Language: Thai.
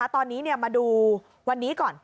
ตอนนี้มาดูวันนี้ก่อน